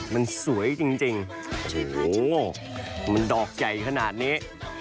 มันสวยจริงโอ้โหมันดอกใหญ่ขนาดนี้